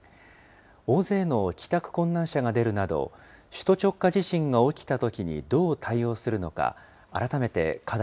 大勢の帰宅困難者が出るなど、首都直下地震が起きたときにどう対応するのか。